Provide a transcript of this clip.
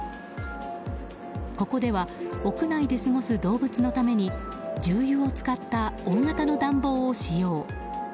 ここでは屋内で過ごす動物のために重油を使った大型の暖房を使用。